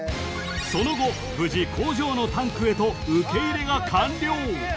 ［その後無事工場のタンクへと受け入れが完了］